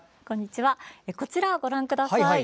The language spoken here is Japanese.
こちら、ご覧ください。